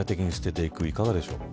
いかがでしょう。